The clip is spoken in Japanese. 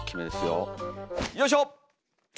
よいしょ！